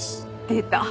出た！